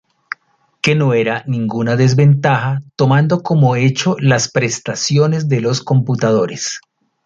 Que no era ninguna desventaja tomando como hecho las prestaciones de los computadores.